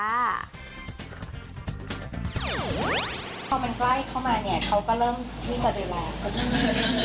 พอมีใกล้เข้ามาเนี่ยเค้าก็เริ่มที่จะดูแล